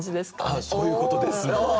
あっそういうことですよ！